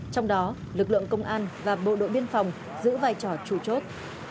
trong đó lực lượng công an và bộ đội biên phòng giữ vai trò chủ chốt